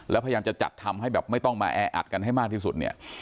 แล้วพยายามจะจัดทำให้แบบไม่ต้องมาแออัดกันให้มากที่สุดเนี่ย